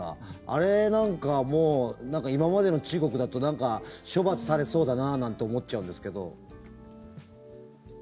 あれなんかも、今までの中国だと処罰されそうだななんて思っちゃうんですけど。